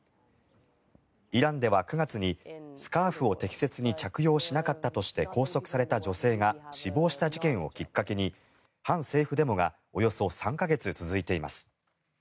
イランでは９月にスカーフを適切に着用しなかったとして拘束された女性が死亡した事件をきっかけに反政府デモがおよそ３か月続いています。